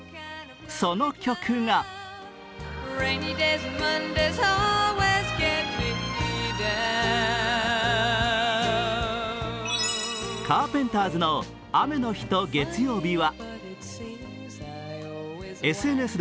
その曲がカーペンターズの「雨の日と月曜日は」。